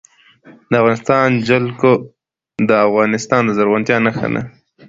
د افغانستان جلکو د افغانستان د زرغونتیا نښه ده.